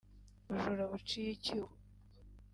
ubujura buciye icyuho